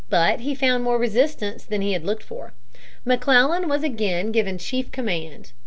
But he found more resistance than he had looked for. McClellan was again given chief command.